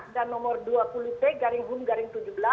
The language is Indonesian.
dan nomor dua puluh delapan garing dua tiga